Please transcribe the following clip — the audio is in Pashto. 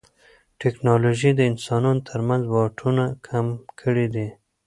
ټیکنالوژي د انسانانو ترمنځ واټنونه کم کړي دي.